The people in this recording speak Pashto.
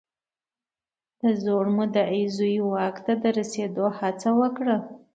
د زوړ مدعي زوی واک ته د رسېدو هڅه وکړه.